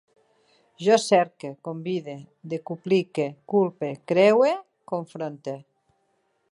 Jo cerque, convide, decuplique, culpe, creue, confronte